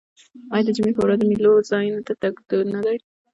آیا د جمعې په ورځ د میلو ځایونو ته تګ دود نه دی؟